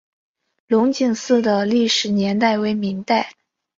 龙井寺的历史年代为明代。